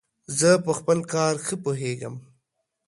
زه په خپل کار ښه پوهیژم.